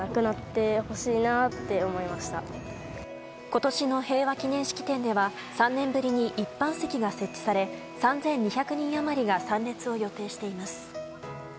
今年の平和記念式典では３年ぶりに一般席が設置され３２００人余りが参列を予定しています。